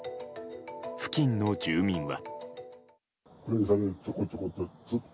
付近の住民は。